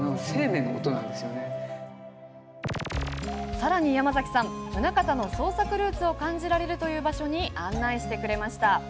さらにヤマザキさん棟方の創作ルーツを感じられるという場所に案内してくれました。